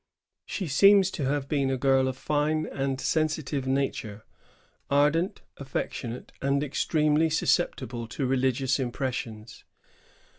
She seems to have been a girl of a fine and sensitive nature; ardent, affectionate, and extremely suscep tible to religious impressions.